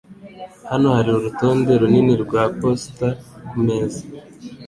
Hano hari urutonde runini rwa posita kumeza.